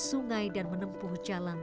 sungai dan menempuh jalan